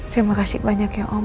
terima kasih banyak ya om